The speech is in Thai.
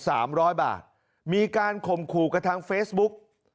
สามร้อยบาทมีการข่มขู่กับทางเฟซบุ๊ก